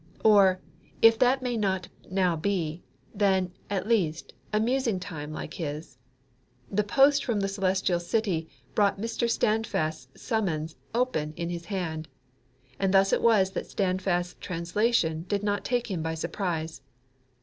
Or, if that may not now be, then, at least, a musing time like his. The post from the Celestial City brought Mr. Standfast's summons "open" in his hand. And thus it was that Standfast's translation did not take him by surprise.